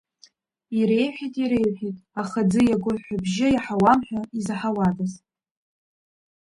Иреиҳәеит, иреиҳәеит, аха аӡы иаго, ҳәҳәабжьы иаҳауам ҳәа, изаҳауадаз.